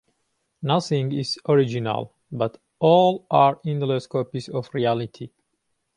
Nothing is original, but all are endless copies of reality.